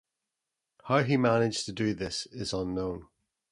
How he managed to do this is unknown.